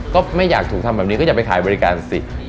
ก็ไม่อยากถูกทำแบบนี้ก็อยากไปขายบริการสิ